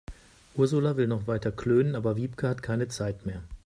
Ursula will noch weiter klönen, aber Wiebke hat keine Zeit mehr.